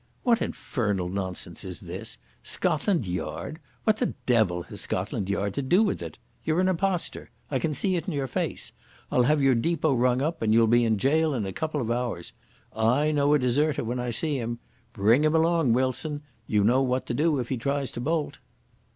"What infernal nonsense is this? Scotland Yard! What the devil has Scotland Yard to do with it? You're an imposter. I can see it in your face. I'll have your depot rung up, and you'll be in jail in a couple of hours. I know a deserter when I see him. Bring him along, Wilson. You know what to do if he tries to bolt."